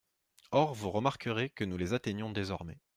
Or vous remarquerez que nous les atteignons désormais.